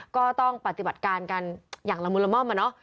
ก็ต้องปฏิบัติการกันอย่างละมุนมานะ